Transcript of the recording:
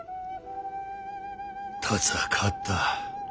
辰は変わった。